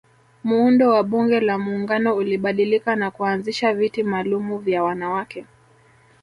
Muundo wa bunge la muungano ulibadilika na kuanzisha viti malumu vya wanawake